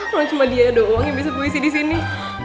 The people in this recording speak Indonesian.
cuma dia doang yang bisa puisi di sini